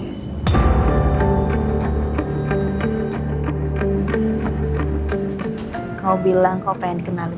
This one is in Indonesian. aku malem malem dengan kau